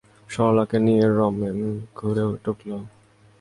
সরলাকে নিয়ে রমেন ঘরে ঢুকল।